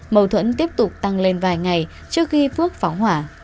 mâu thuẫn tiếp tục tăng lên vài ngày trước khi phước phóng hỏa